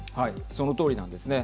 そのとおりなんですね。